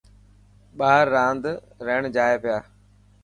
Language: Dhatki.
ٻار راند رهڻ جائي پيا.